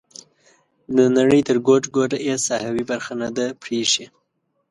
د نړۍ تر ګوټ ګوټه یې ساحوي برخه نه ده پریښې.